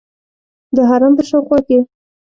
د حرم په شاوخوا کې.